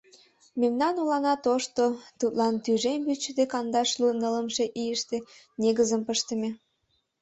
— Мемнан олана тошто, тудлан тӱжем вичшӱдӧ кандашлу нылымше ийыште негызым пыштыме.